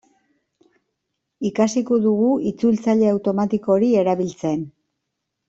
Ikasiko dugu itzultzaile automatiko hori erabiltzen.